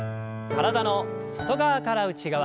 体の外側から内側。